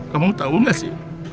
kamu tahu gak sih